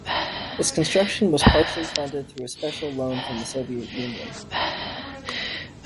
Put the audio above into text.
Its construction was partially funded through a special loan from the Soviet Union.